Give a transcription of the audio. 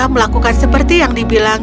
melakukan seperti yang dibilang